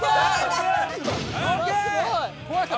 壊れた！